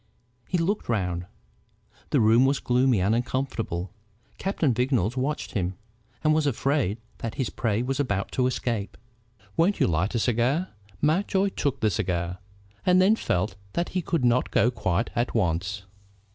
He looked round. The room was gloomy and uncomfortable. Captain Vignolles watched him, and was afraid that his prey was about to escape. "Won't you light a cigar?" Mountjoy took the cigar, and then felt that he could not go quite at once.